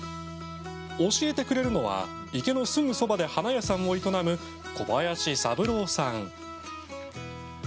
教えてくれるのは池のすぐそばで花屋さんを営む小林佐富朗さん。